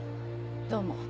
どうも。